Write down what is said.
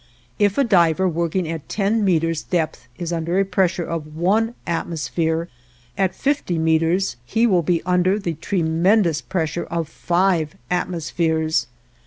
If a diver working at ten meters' depth is under a pressure of one atmosphere, at fifty meters he will be under the tremendous pressure of five atmospheres.